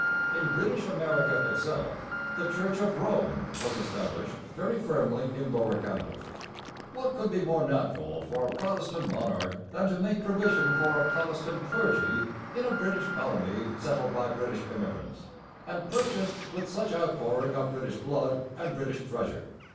In British America itself the Church of Rome was 'established' very firmly in Lower Canada. What could be more natural for a Protestant monarch than to make provision for a 'Protestant Clergy' in a British colony settled by British immigrants, and purchased with such outpouring of British blood and British treasure?